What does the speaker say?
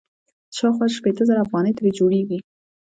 چې شاوخوا شپېته زره افغانۍ ترې جوړيږي.